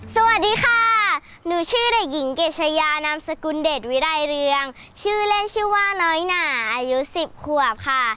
สวัสดีค่ะหนูชื่อเด็กหญิงเกชยานามสกุลเดชวิรัยเรืองชื่อเล่นชื่อว่าน้อยหนาอายุ๑๐ขวบค่ะ